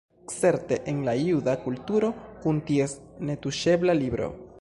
Certe en la juda kulturo, kun ties netuŝebla Libro.